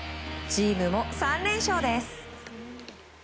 チームも３連勝です。